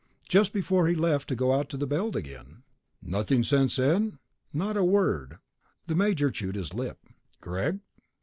"Just before he left to go out to the Belt again." "Nothing since then?" "Not a word." The major chewed his lip. "Greg?"